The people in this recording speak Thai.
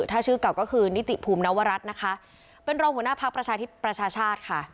ถ้าชื่อกลับก็คือนิติภูมินวรัตน์เป็นรองหัวหน้าภักดิ์ประชาชาชาติ